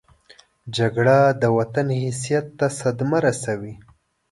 جګړه د وطن حیثیت ته صدمه رسوي